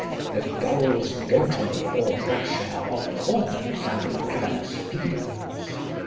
The Gulsgoatony or Rasher of Cormorants and Ravenous Feeders.